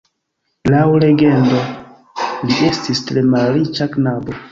Laŭ legendo, li estis tre malriĉa knabo.